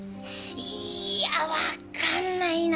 いやわかんないなあ。